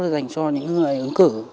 dành cho những người ứng cử